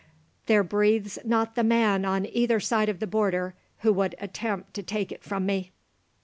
"There breathes not the man on either side of the border who would attempt to take it from me."